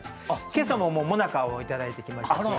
けさも、もなかをいただいてきました。